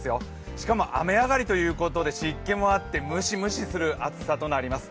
しかも雨上がりということで湿気もあってむしむしする暑さとなります。